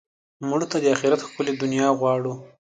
مړه ته د آخرت ښکلې دنیا غواړو